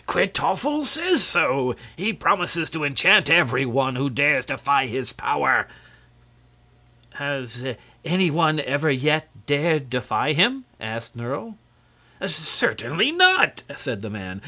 "Kwytoffle says so. He promises to enchant every one who dares defy his power." "Has any one ever yet dared defy him?" asked Nerle. "Certainly not!" said the man.